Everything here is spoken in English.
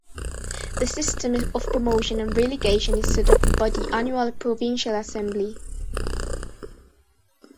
The system of promotion and relegation is set up by the annual provincial assembly.